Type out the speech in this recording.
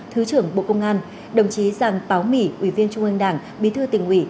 thứ trưởng bộ công an đồng chí giàng páo mỹ ủy viên trung ương đảng bí thư tỉnh ủy